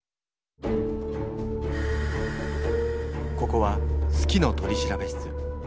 ここは「好きの取調室」。